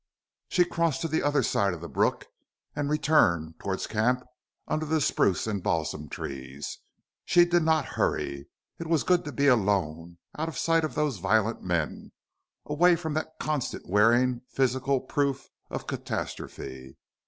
She crossed to the other side of the brook and returned toward camp under the spruce and balsam trees, She did not hurry. It was good to be alone, out of sight of those violent men, away from that constant wearing physical proof of catastrophe.